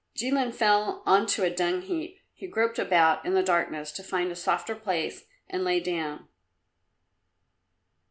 Jilin fell on to a dung heap. He groped about in the darkness to find a softer place and lay down.